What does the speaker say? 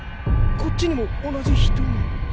こっちにも同じ人が！？